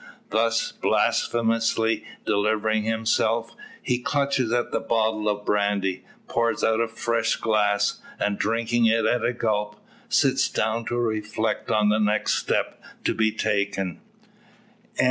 Thus blasphemously delivering himself, he clutches at the bottle of brandy, pours out a fresh glass, and drinking it at a gulp, sits down to reflect on the next step to be taken.